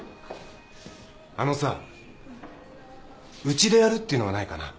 うちでやるっていうのはないかな？